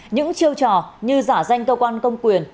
những chiêu trò như giả danh cơ quan công quyền